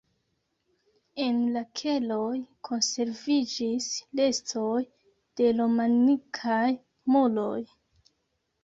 En la keloj konserviĝis restoj de romanikaj muroj.